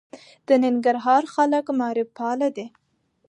د ننګرهار خلک معارف پاله دي.